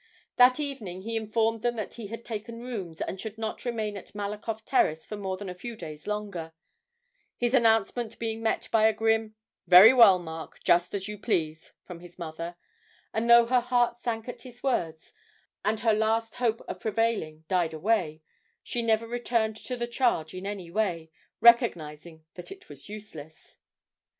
That evening he informed them that he had taken rooms, and should not remain at Malakoff Terrace for more than a few days longer; his announcement being met by a grim 'Very well, Mark, just as you please,' from his mother; and though her heart sank at his words, and her last hope of prevailing died away, she never returned to the charge in any way, recognising that it was useless.